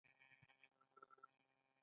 د شمالی دره د انګورو ډکه ده.